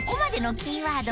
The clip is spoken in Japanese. キーワード。